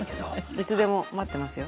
いつでも待ってますよ。